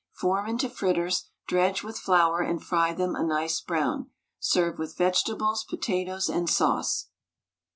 Form into fritters, dredge with flour, and fry them a nice brown. Serve with vegetables, potatoes, and sauce.